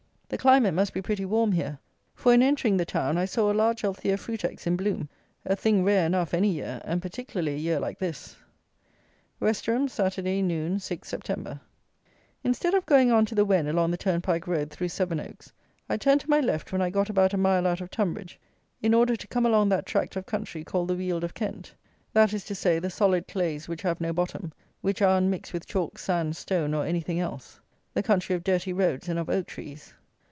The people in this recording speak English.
The climate must be pretty warm here; for in entering the town, I saw a large Althea Frutex in bloom, a thing rare enough, any year, and particularly a year like this. Westerham, Saturday, Noon, 6th Sept. Instead of going on to the Wen along the turnpike road through Sevenoaks, I turned to my left when I got about a mile out of Tonbridge, in order to come along that tract of country called the Weald of Kent; that is to say, the solid clays, which have no bottom, which are unmixed with chalk, sand, stone, or anything else; the country of dirty roads and of oak trees.